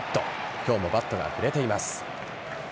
今日もバットが振れています。